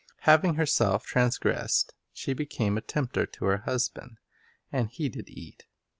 Hav ing herself transgressed, she became a tempter to her husband, "and he did eat."